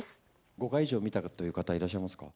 ５回以上見たという方、いらっしゃいますか？